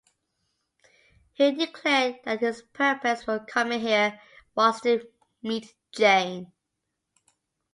He declared that his purpose for coming here was to meet Jane.